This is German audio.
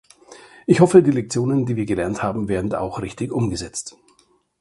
Ich hoffe, die Lektionen, die wir gelernt haben, werden auch richtig umgesetzt.